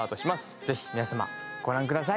ぜひ皆さまご覧ください。